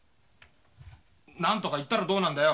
何とか言ったらどうなんだよ。